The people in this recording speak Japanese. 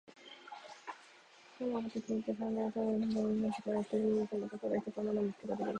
彼は畑へ行ってさんざん仲間をさがしましたが、一人もいませんでした。ただ一つの穴を見つけただけでした。